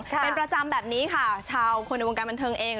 เป็นประจำแบบนี้ค่ะชาวคนในวงการบันเทิงเอง